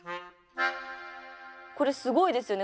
これすごいですよね。